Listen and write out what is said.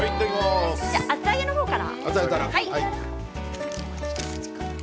厚揚げの方から。